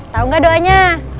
tau gak doanya